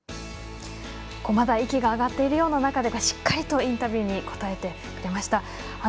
まだ息が上がっているような中でしっかりとインタビューに答えてくれました。